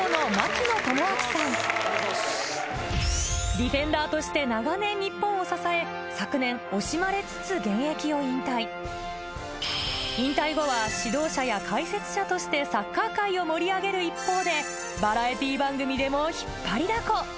ディフェンダーとして長年日本を支え昨年惜しまれつつ現役を引退引退後は指導者や解説者としてサッカー界を盛り上げる一方でバラエティー番組でも引っ張りだこ